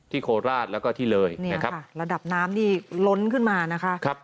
ที่โคลราชแล้วก็ที่เลยนะครับระดับน้ำนี่ล้นขึ้นมานะคะครับ